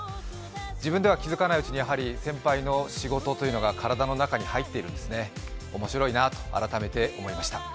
自分では気付かないうちに先輩の仕事というのが体の中に入っているんですね、面白いなと改めて思いました。